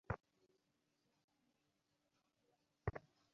আমাকে দেখিয়া শচীশ ছুটিয়া আসিয়া আমাকে বুকে চাপিয়া ধরিল।